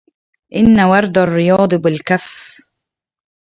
ان ورد الرياض بالكف